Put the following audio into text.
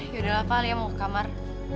yaudah lah pa lia mau ke kamar